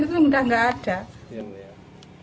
itu udah nggak ada